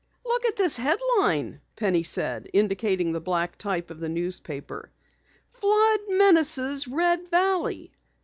"Look at this headline," Penny said, indicating the black type of the newspaper. "FLOOD MENACES RED VALLEY!"